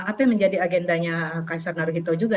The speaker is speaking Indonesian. apa yang menjadi agendanya kaisar naruhito juga